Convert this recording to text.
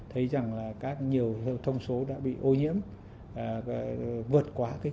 thấy rằng là các nhiều thông số đã bị ô nhiễm vượt quá